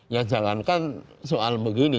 ya jangankan soal begini